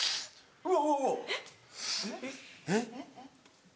うわ！